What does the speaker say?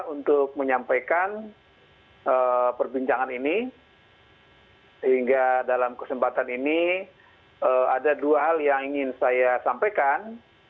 untuk menyampaikan perbincangan ini sehingga dalam kesempatan ini ada dua hal yang ingin saya sampaikan